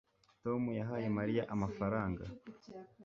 Tom yahaye Mariya amafaranga